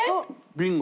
ビンゴ！